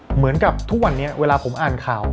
เหมือนกับทุกวันนี้เวลาผมอ่านข่าว